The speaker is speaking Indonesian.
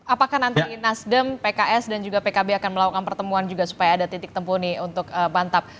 apakah nanti nasdem pks dan juga pkb akan melakukan pertemuan juga supaya ada titik tempuh nih untuk bantap